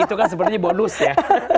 itu kan sepertinya bonus ya